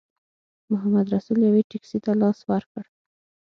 محمدرسول یوې ټیکسي ته لاس ورکړ.